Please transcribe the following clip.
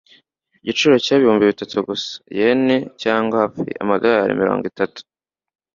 Igiciro cyari ibihumbi bitatu gusa yen, cyangwa hafi amadorari mirongo itatu